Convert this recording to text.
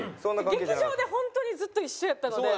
劇場で本当にずっと一緒やったので。